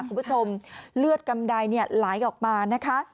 คุณผู้ชมเลือดกำไดไหลออกมานะคะ